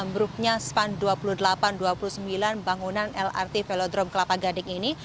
ambruknya span dua puluh delapan dua puluh sembilan bangunan lrt velodrome kelapa gading ini